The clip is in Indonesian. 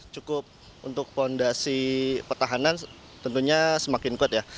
cukup untuk fondasi pertahanan tentunya semakin kuat ya